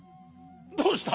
どうした？